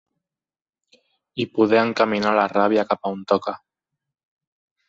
I poder encaminar la ràbia cap on toca.